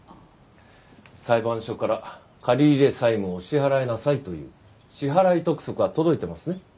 裁判所から借入債務を支払いなさいという支払督促は届いていますね？